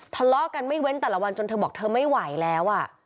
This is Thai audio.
ทะเลาะกันไม่เว้นแต่ละวันจนเธอบอกเธอไม่ไหวแล้ว